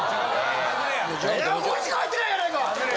いやこれしか入ってないやないか！